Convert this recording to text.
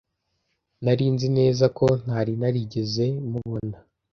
Nari nzi neza ko ntari narigeze mubona.